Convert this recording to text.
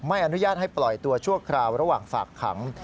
ไม่อนุญาตให้ปล่อยตัวชั่วคราวระหว่างฝากขัง